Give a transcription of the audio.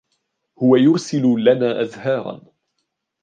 هو يرسل لنا أزهارا.